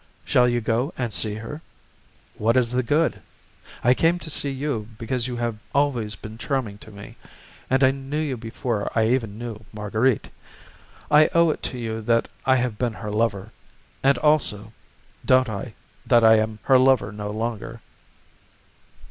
Shall you go and see her?" "What is the good? I came to see you, because you have always been charming to me, and I knew you before I ever knew Marguerite. I owe it to you that I have been her lover, and also, don't I, that I am her lover no longer?"